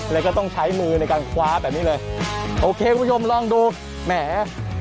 แล้วก็ต้องใช้มือในการคว้าแบบนี้เลยโอเคคุณผู้ชมลองดูแหม